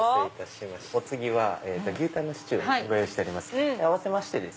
お次は牛タンのシチューをご用意しております。